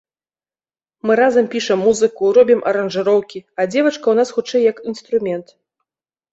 Мы разам пішам музыку, робім аранжыроўкі, а дзевачка ў нас хутчэй як інструмент.